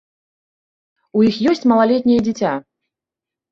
У іх ёсць малалетняе дзіця.